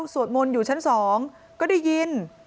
สวดมนต์อยู่ชั้น๒ก็ได้ยิน